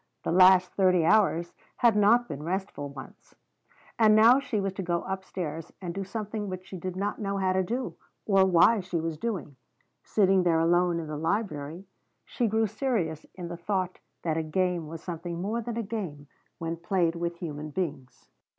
The last thirty hours had not been restful ones. And now she was to go upstairs and do something which she did not know how to do, or why she was doing. Sitting there alone in the library she grew serious in the thought that a game was something more than a game when played with human beings.